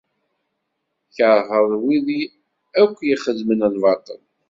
Tkerheḍ wid akk ixeddmen lbaṭel.